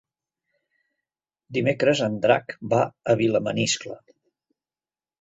Dimecres en Drac va a Vilamaniscle.